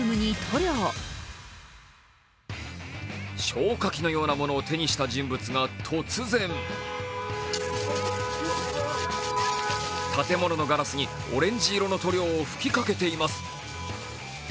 消火器のようなものを手にした人物が、突然建物のガラスにオレンジ色の塗料を吹きかけています。